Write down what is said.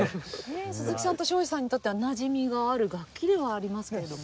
鈴木さんと庄司さんにとってはなじみがある楽器ではありますけれども。